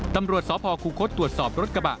ตำรวจสพคูคศตรวจสอบรถกระบะ